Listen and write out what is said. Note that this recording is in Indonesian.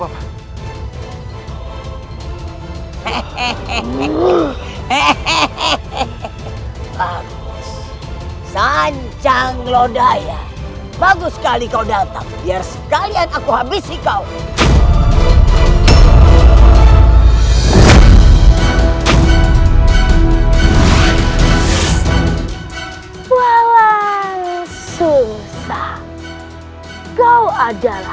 kau tidak ada waktu untuk meladenimu bocah kecil